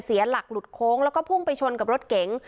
เสียหลักหลุดโค้งแล้วก็พุ่งไปชนกับรถเก๋ง